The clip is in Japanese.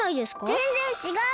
ぜんぜんちがう！